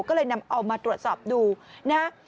ก็เลยนำเอามาตรวจสอบดูนะฮะ